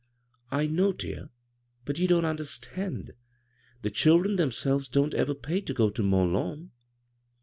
" I know, dear, but you don't understand. The children themselves don't ever pay to go to Mont Lawn.